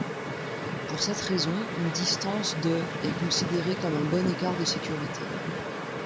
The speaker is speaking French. Pour cette raison, une distance de est considérée comme un bon écart de sécurité.